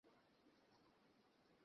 সেটা থেকে নিজেকে বাঁচিয়ে যেও।